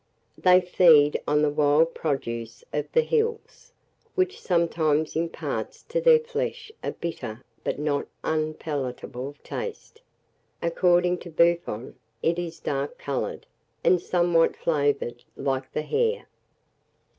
They feed on the wild produce of the hills, which sometimes imparts to their flesh a bitter but not unpalatable taste. According to Buffon, it is dark coloured, and somewhat flavoured like the hare.